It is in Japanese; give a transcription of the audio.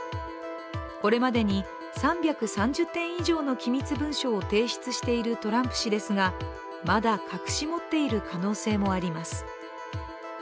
これまでに３３０点以上の機密文書を提出しているトランプ氏ですがまだ隠し持っている可能性もあります。